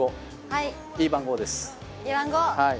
はい。